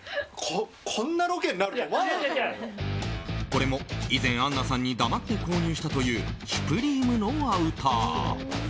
これも以前、あんなさんに黙って購入したというシュプリームのアウター。